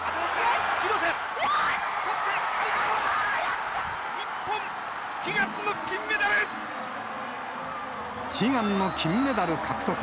広瀬、悲願の金メダル獲得。